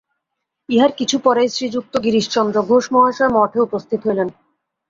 ইহার কিছু পরেই শ্রীযুক্ত গিরিশচন্দ্র ঘোষ মহাশয় মঠে উপস্থিত হইলেন।